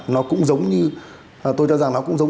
nó cũng giống như